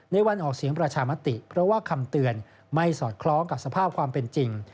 ในวันออกเสียงประชามติเพราะว่าคำเตือนไม่สอดคล้องกับสภาพความเป็นจริง